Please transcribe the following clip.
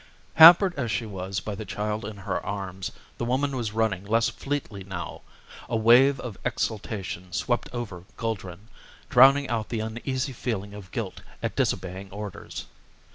_ The Last Supper By T. D. Hamm Hampered as she was by the child in her arms, the woman was running less fleetly now. A wave of exultation swept over Guldran, drowning out the uneasy feeling of guilt at disobeying orders.